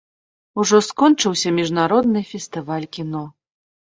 Ужо скончыўся міжнародны фестываль кіно.